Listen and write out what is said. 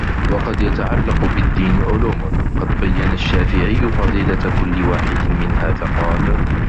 وَقَدْ يَتَعَلَّقُ بِالدِّينِ عُلُومٌ قَدْ بَيَّنَ الشَّافِعِيُّ فَضِيلَةَ كُلِّ وَاحِدٍ مِنْهَا فَقَالَ